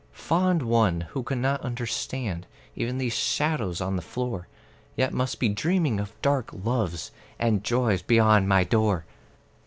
Fond one, who cannot understand Even these shadows on the floor, Yet must be dreaming of dark loves And joys beyond my door!